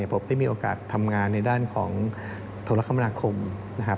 ผมได้มีโอกาสทำงานในด้านของโทรคมนาคมนะครับ